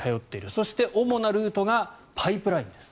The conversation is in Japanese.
そして主なルートがパイプラインです。